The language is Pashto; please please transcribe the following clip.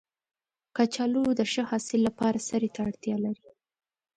کچالو د ښه حاصل لپاره سرې ته اړتیا لري